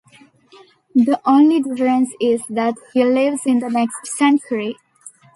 The only difference is that he lives in the next century.